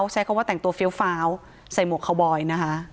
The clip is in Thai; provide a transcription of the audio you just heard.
ใช้คำว่าแต่งตัวเฟี้ยวฟ้าวใส่หมวกคาวบอยนะคะ